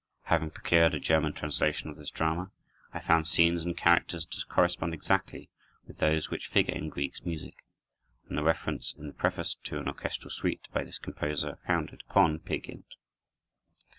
Having procured a German translation of this drama, I found scenes and characters to correspond exactly with those which figure in Grieg's music, and a reference in the preface to an orchestral suite, by this composer, founded upon "Peer Gynt."